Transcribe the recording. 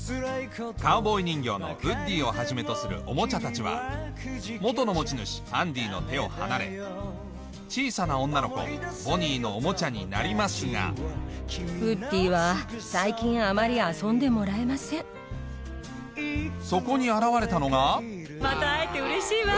カウボーイ人形のウッディをはじめとするオモチャたちは元の持ち主・アンディの手を離れ小さな女の子・ボニーのオモチャになりますがウッディは最近あまり遊んでもらえませんそこに現れたのがまた会えてうれしいわ。